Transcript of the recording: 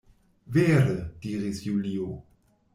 Vere! diris Julio.